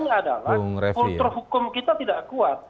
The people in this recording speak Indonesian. ya kendalanya adalah kultur hukum kita tidak kuat